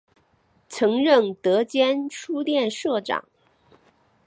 曾任德间书店社长。